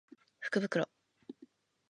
福袋